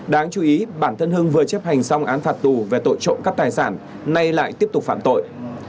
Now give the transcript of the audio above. đáng chú ý bản thân hưng vừa chấp hành xong án phạt tù về tội trộn cấp tài sản nay lại tiếp tục phản tội